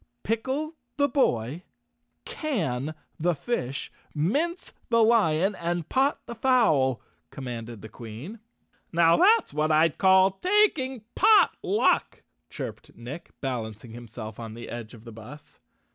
" Pickle the boy, Can the fish, Mince the lion And pot the fowl." commanded the Queen. "Now that's what I'd call taking pot luck," chirped Nick, balancing himself on the edge of the bus.